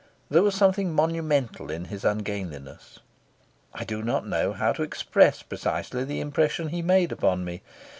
There was something monumental in his ungainliness. I do not know how to express precisely the impression he made upon me.